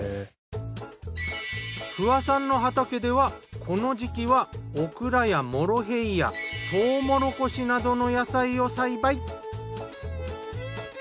不破さんの畑ではこの時期はオクラやモロヘイヤとうもろこしなどの野菜を栽培。